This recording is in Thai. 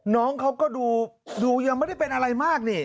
น้องเขาก็ดูยังไม่ได้เป็นอะไรมากนี่